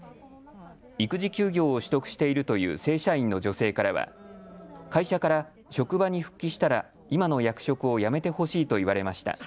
育児休業を取得しているという正社員の女性からは、会社から職場に復帰したら今の役職をやめてほしいと言われました。